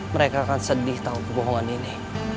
mereka akan sedih tahu kebohongan ini